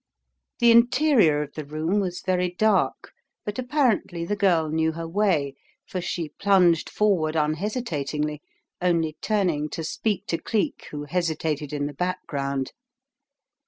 The interior of the room was very dark, but apparently the girl knew her way, for she plunged forward unhesitatingly, only turning to speak to Cleek who hesitated in the background.